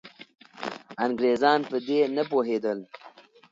انګریزان په دې نه پوهېدل.